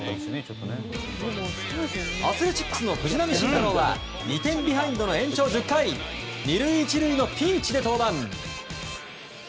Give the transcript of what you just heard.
アスレチックスの藤浪晋太郎は２点ビハインドの延長１０回２塁１塁のピンチで登板。